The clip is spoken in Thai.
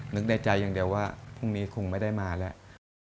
นึกในใจอย่างเดียวว่าพรุ่งนี้คงไม่ได้มาแล้ว